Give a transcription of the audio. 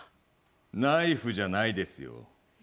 ナイフじゃないですよ。